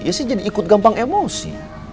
ya sih jadi ikut gampang emosi